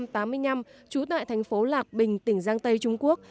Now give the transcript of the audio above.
trú tại thành phố lạc bình tỉnh giang tây trung quốc